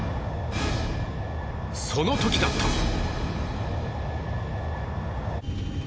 その時だった！